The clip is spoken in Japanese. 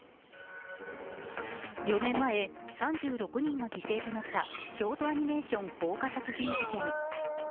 ４年前、３６人が犠牲となった京都アニメーション放火殺人事件。